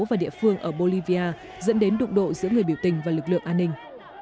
và địa phương ở bolivia dẫn đến đụng độ giữa người biểu tình và lực lượng an ninh